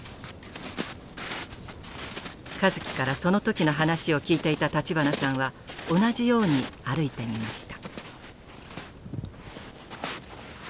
香月からその時の話を聞いていた立花さんは同じように歩いてみました。